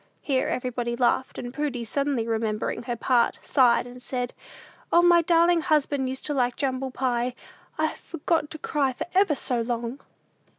Here everybody laughed, and Prudy, suddenly remembering her part, sighed, and said, "O, my darlin' husband used to like jumble pie! I've forgot to cry for ever so long!"